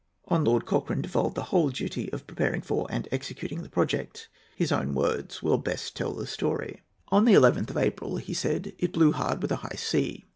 On Lord Cochrane devolved the whole duty of preparing for and executing the project. His own words will best tell the story. "On the 11th of April," he said, "it blew hard, with a high sea.